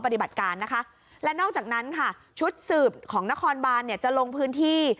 ปฏิบัติการนะคะและนอกจากนั้นค่ะชุดสืบของนครบานเนี่ยจะลงพื้นที่